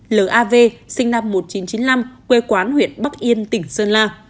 lav sinh năm một nghìn chín trăm chín mươi năm quê quán huyện bắc yên tỉnh sơn la